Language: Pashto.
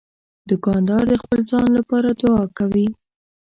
دوکاندار د خپل ځان لپاره دعا کوي.